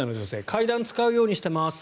階段使うようにしてます。